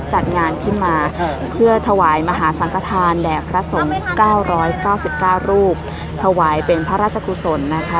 จัดงานขึ้นมาเพื่อถวายมหาสังฆฐานแด่พระสงฆ์๙๙๙รูปถวายเป็นพระราชกุศลนะคะ